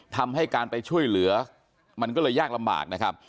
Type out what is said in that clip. ทำให้การไปช่วยเหลือมันก็เลยยากลำบากนะครับ